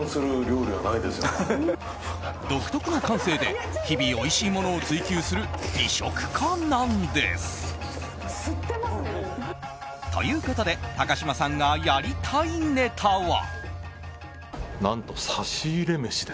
独特の感性で日々、おいしいものを追求する美食家なんです。ということで高嶋さんがやりたいネタは。